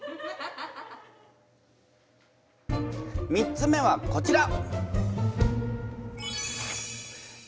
３つ目はこちら。